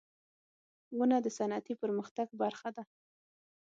• ونه د صنعتي پرمختګ برخه ده.